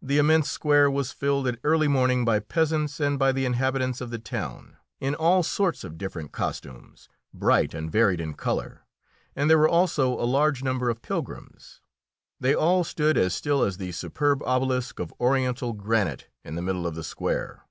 The immense square was filled at early morning by peasants and by the inhabitants of the town, in all sorts of different costumes bright and varied in colour and there were also a large number of pilgrims. They all stood as still as the superb obelisk of Oriental granite in the middle of the square.